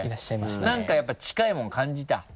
何かやっぱ近いものを感じた？